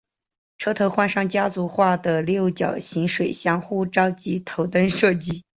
车头换上家族化的六角形水箱护罩及头灯设计。